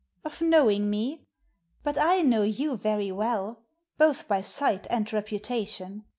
"Of knowing me? But I know you very well, both by sight and reputation.